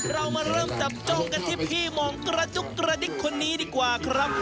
เรามาเริ่มจับจ้องกันที่พี่มองกระจุกกระดิกคนนี้ดีกว่าครับ